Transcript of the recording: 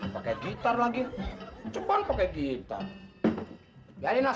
pakai gitar lagi coba pakai gitar jadinya sepuluh